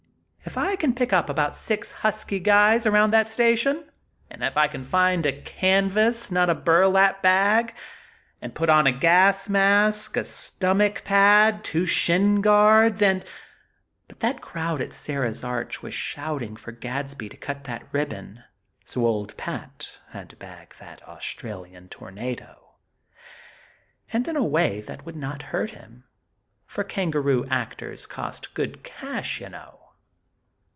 If I can pick up about six husky guys around that station; and if I can find a canvas, not a burlap, bag; and put on a gas mask, a stomach pad, two shin guards, and " But that crowd at Sarah's Arch was shouting for Gadsby to cut that ribbon so old Pat had to bag that Australian tornado; and in a way that would not hurt him; for kangaroo actors cost good cash, you know.